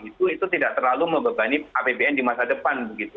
itu tidak terlalu membebani apbn di masa depan begitu